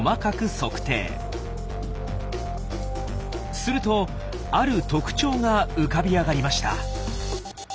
するとある特徴が浮かび上がりました。